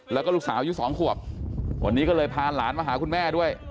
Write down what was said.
แล้วก็ลูกสาวอายุสองขวบวันนี้ก็เลยพาหลานมาหาคุณแม่ด้วย